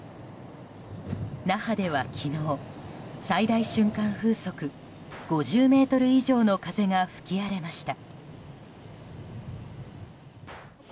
那覇では昨日最大瞬間風速５０メートル以上の風が吹き荒れました。